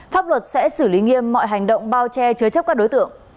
pháp luật sẽ xử lý nghiêm mọi hành động bao che chứa chấp các đối tượng